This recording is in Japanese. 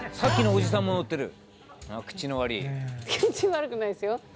口悪くないですよ。